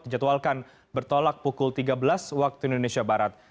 dijadwalkan bertolak pukul tiga belas waktu indonesia barat